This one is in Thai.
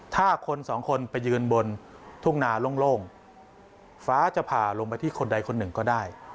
ถ้าคนสองคนไปยืนบนทุ่งนาโล่งฟ้าจะผ่าลงไปที่คนใดคนหนึ่งก็ได้